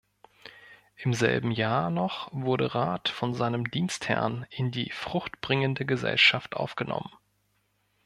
Im selben Jahr noch wurde Rath von seinem Dienstherrn in die Fruchtbringende Gesellschaft aufgenommen.